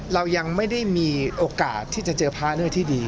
เรายังไม่ได้มีโอกาสที่จะเจอพาร์เนอร์ที่ดี